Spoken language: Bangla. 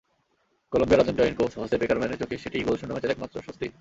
কলম্বিয়ার আর্জেন্টাইন কোচ হোসে পেকারম্যানের চোখে সেটিই গোলশূন্য ম্যাচের একমাত্র স্বস্তি।